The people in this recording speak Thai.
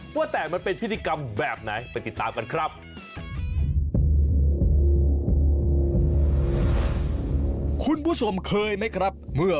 ว่าแต่มันเป็นพิธีกรรมแบบไหนไปติดตามกันครับ